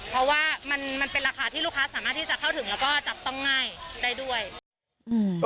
เพราะว่ามันมันเป็นราคาที่ลูกค้าสามารถที่จะเข้าถึงแล้วก็จับต้องง่ายได้ด้วยอืม